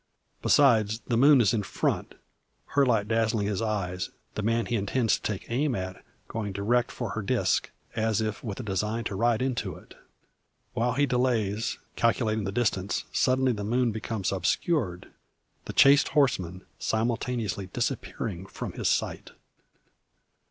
Besides, the moon is in front, her light dazzling his eyes, the man he intends to take aim at going direct for her disc, as if with the design to ride into it. While he delays, calculating the distance, suddenly the moon becomes obscured, the chased horseman simultaneously disappearing from his sight!